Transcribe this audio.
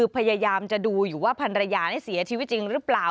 พยายามจะดูอยู่ว่าพันรยานี่เสียชีวิตจริงหรือเปล่า